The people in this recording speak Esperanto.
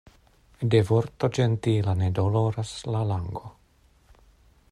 De vorto ĝentila ne doloras la lango.